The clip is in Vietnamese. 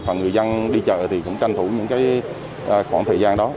và người dân đi chợ thì cũng tranh thủ những khoảng thời gian đó